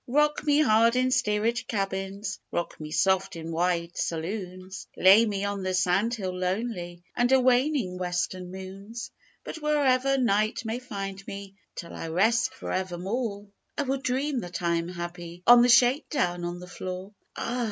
Rock me hard in steerage cabins, Rock me soft in wide saloons, Lay me on the sand hill lonely Under waning western moons; But wherever night may find me Till I rest for evermore I will dream that I am happy On the shake down on the floor. Ah!